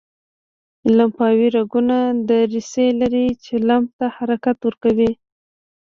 لمفاوي رګونه دریڅې لري چې لمف ته حرکت ورکوي.